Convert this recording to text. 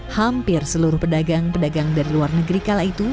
hampir seluruh pedagang pedagang dari luar negeri kala itu